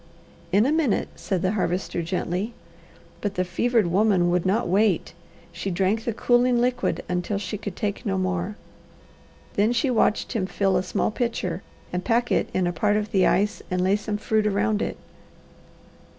"In a minute," said the Harvester gently. But the fevered woman would not wait. She drank the cooling liquid until she could take no more. Then she watched him fill a small pitcher and pack it in a part of the ice and lay some fruit around it.